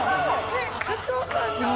えっ社長さんが？